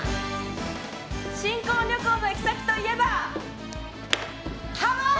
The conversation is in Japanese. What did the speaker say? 新婚旅行の行き先といえばハワイ！